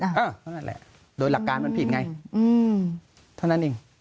นั่นแหละโดยหลักการมันผิดไงเท่านั้นเอง